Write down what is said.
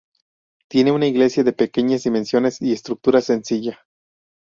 Tiene una iglesia de pequeñas dimensiones y estructura sencilla.